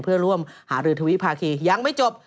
เพื่อร่วมหารือทวิภาคียังไม่จบ